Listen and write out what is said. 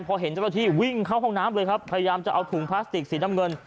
พอเห็นเจ้าหน้าที่วิ่งเข้าห้องน้ำเลยครับพยายามจะเอาถุงพลาสติกสีน้ำเงิน